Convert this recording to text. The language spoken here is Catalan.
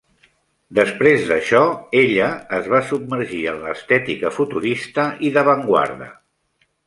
Després d'això, ella es va submergir en l'estètica futurista i d'avantguarda.